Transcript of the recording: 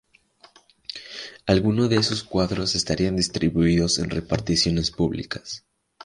Algunos de esos cuadros estarían distribuidos en reparticiones públicas.